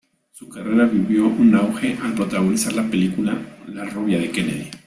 Su carrera vivió un auge al protagonizar la película "La rubia de Kennedy".